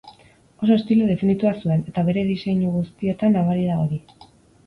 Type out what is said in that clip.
Oso estilo definitua zuen, eta bere diseinu guztietan nabari da hori.